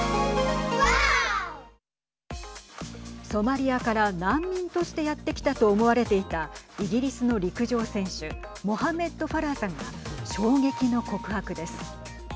ソマリアから難民としてやって来たと思われていたイギリスの陸上選手モハメッド・ファラーさんが衝撃の告白です。